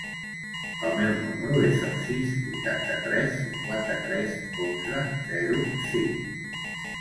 El meu número es el sis, vuitanta-tres, cinquanta-tres, onze, zero, cinc.